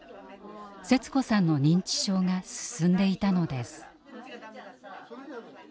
セツ子さんの認知症が進んでいたのです。